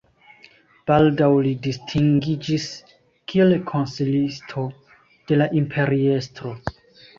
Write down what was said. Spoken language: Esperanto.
Baldaŭ li distingiĝis kiel konsilisto de la imperiestro.